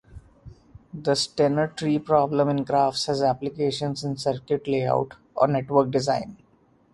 The Steiner tree problem in graphs has applications in circuit layout or network design.